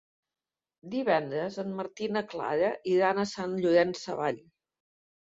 Divendres en Martí i na Clara iran a Sant Llorenç Savall.